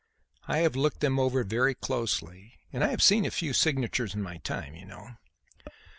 I have looked them over very closely and I have seen a few signatures in my time, you know.